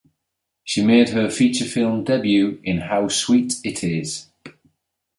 She made her feature-film debut in How Sweet It Is!